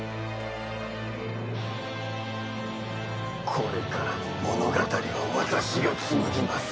これからの物語は私が紡ぎます。